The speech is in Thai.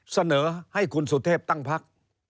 เสนอให้คุณสุเทพตั้งพัก